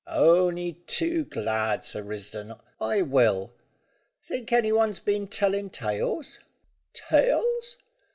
"On'y too glad, Sir Risdon, I will. Think any one's been telling tales?" "Tales?"